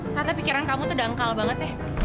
ternyata pikiran kamu tuh dangkal banget ya